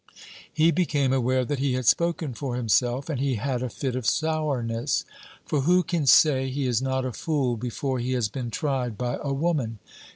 He became aware that he had spoken for himself, and he had a fit of sourness. For who can say he is not a fool before he has been tried by a woman!